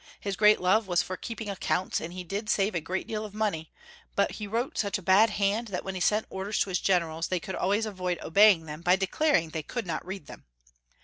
His great love was for keeping accounts, and he did save a great deal of money, but he wrote such a bad hand that when he sent orders to his generals they could always avoid obeying them, by declaring they could not read them.